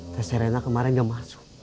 tess serena kemarin gak masuk